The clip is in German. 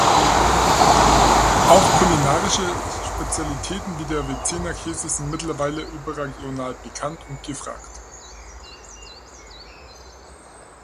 Auch kulinarische Spezialitäten wie der Vezzena-Käse sind mittlerweile überregional bekannt und gefragt.